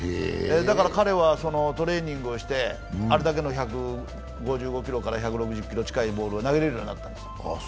だから彼はトレーニングをしてあれだけの１５５キロから１６０キロのボールを投げられるようになったんです。